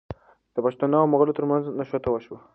د پښتنو او مغلو ترمنځ نښته وشوه.